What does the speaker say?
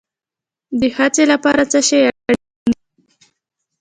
د هڅې لپاره څه شی اړین دی؟